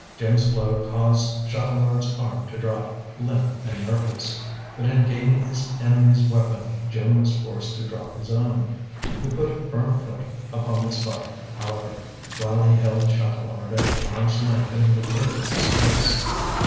Jim's blow caused Chatelard's arm to drop, limp and nerveless. But in gaining his enemy's weapon, Jim was forced to drop his own. He put a firm foot upon the spike, however, while he held Chatelard at arm's length and looked into his face.